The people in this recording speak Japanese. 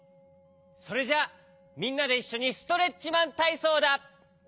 それじゃみんなでいっしょにストレッチマンたいそうだ。